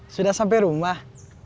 sudah sampai rumah